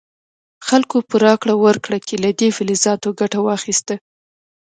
خلکو په راکړه ورکړه کې له دې فلزاتو ګټه واخیسته.